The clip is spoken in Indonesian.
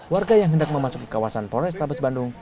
warga yang hendak memasuki kawasan polres tabes bandung